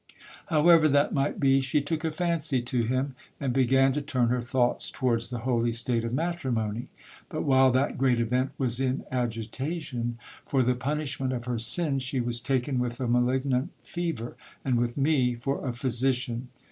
However that might be, she took a fancy to him, and began to turn her thoughts towards the holy state of matrimony ; but while that great event was in agitation, for the punishment of her sins she was taken with a malignant fever, and with me for a physician.